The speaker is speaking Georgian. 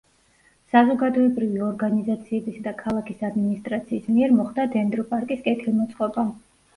საზოგადოებრივი ორგანიზაციებისა და ქალაქის ადმინისტრაციის მიერ მოხდა დენდროპარკის კეთილმოწყობა.